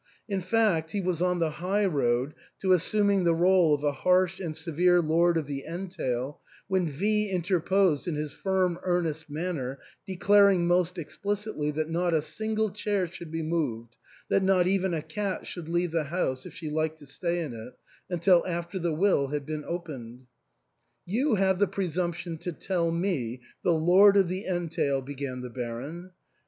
In fact, he was on the high road to assuming the rtle of a harsh and severe lord of the entail, when V interposed in his firm earnest man ner, declaring most explicitly that not a single chair should be moved, that not even a cat should leave the house if she liked to stay in it, until after the will had been opened. " You have the presumption to tell me, the lord of the entail," began the Baron.